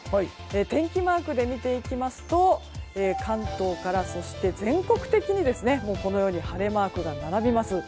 天気マークで見ていきますと関東から全国的にこのように晴れマークが並びます。